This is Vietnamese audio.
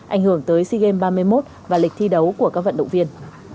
ảnh hưởng tới sigen ba mươi một và lịch thi đấu của các vận động viên